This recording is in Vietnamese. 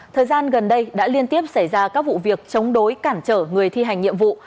thời gian gần đây đã liên tiếp xảy ra các vụ việc chống đối cản trở người thi hành nhiệm vụ